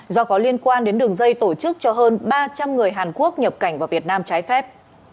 do có liên quan đến đường dây tổ chức cho hơn ba trăm linh người hàn quốc nhập cảnh vào việt nam trái phép